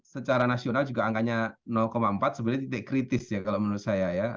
secara nasional juga angkanya empat sebenarnya titik kritis ya kalau menurut saya ya